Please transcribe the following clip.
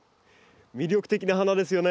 魅力的な花ですよね。